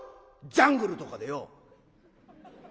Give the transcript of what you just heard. ジャングルとかでよ